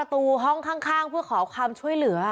ประตูห้องข้างเพื่อขอความช่วยเหลือ